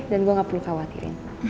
dan gue gak perlu khawatirin